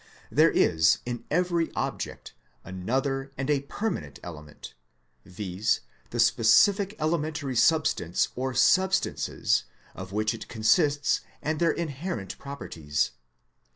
There is in every object another and a perma nent element, viz., the specific elementary substance or substances of which it consists and their inherent properties.